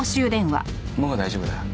もう大丈夫だ。